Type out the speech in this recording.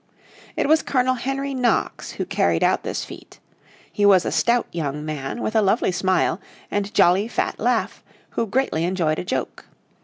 It was Colonel Henry Knox who carried out this feat. He was a stout young man with a lovely smile and jolly fat laugh, who greatly enjoyed a joke.